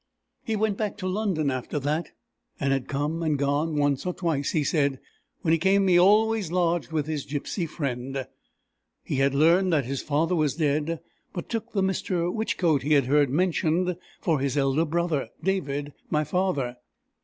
He went back to London after that, and had come and gone once or twice, he said. When he came he always lodged with his gypsy friend. He had learned that his father was dead, but took the Mr. Whichcote he heard mentioned, for his elder brother, David, my father.